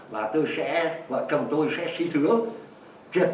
và tôi sẽ vợ chồng tôi sẽ sỉ thưởng